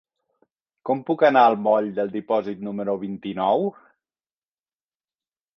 Com puc anar al moll del Dipòsit número vint-i-nou?